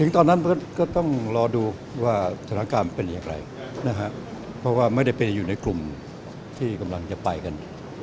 ตอนนั้นก็ต้องรอดูว่าสถานการณ์เป็นอย่างไรนะครับเพราะว่าไม่ได้ไปอยู่ในกลุ่มที่กำลังจะไปกัน